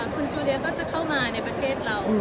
คุณจูเลียก็จะเข้ามาในประเทศเรา